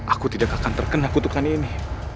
aku tidak akan terkena kutukan ini